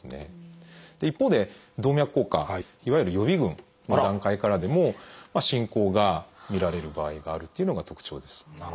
一方で動脈硬化いわゆる予備群の段階からでも進行が見られる場合があるっていうのが特徴です。